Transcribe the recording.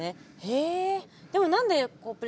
へえ。